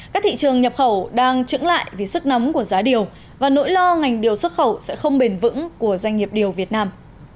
các thị trường nhập khẩu đang trứng lại vì sức nóng của giá điều và nỗi lo ngành điều xuất khẩu sẽ không bền vững của doanh nghiệp điều việt nam